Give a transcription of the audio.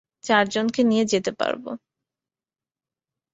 চারজনকে নিয়ে যেতে পারবো।